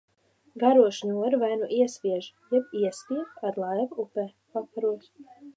Garo šņori vai nu iesviež jeb iestiepj ar laivu upē, vakaros.